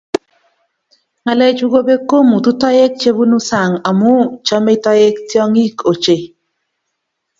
Ngalechu kobek komutu toek che bunu sang amu chamei toek tiong'ik ochei